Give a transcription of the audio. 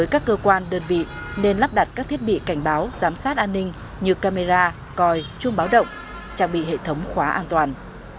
các cơ quan đơn vị nên lắp đặt các thiết bị cảnh báo giám sát an ninh như camera coi chuông báo động trang bị hệ thống khóa an toàn